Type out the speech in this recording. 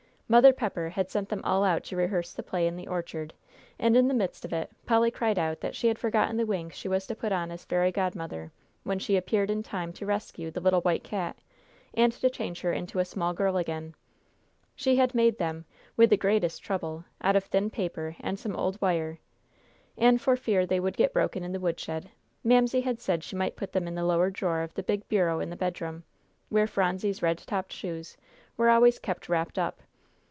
Mother Pepper had sent them all out to rehearse the play in the orchard, and in the midst of it Polly cried out that she had forgotten the wings she was to put on as fairy godmother, when she appeared in time to rescue the little white cat, and to change her into a small girl again. She had made them, with the greatest trouble, out of thin paper and some old wire, and for fear they would get broken in the woodshed, Mamsie had said she might put them in the lower drawer of the big bureau in the bedroom, where Phronsie's red topped shoes were always kept wrapped up.